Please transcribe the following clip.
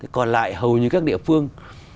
còn lại hầu như các địa phương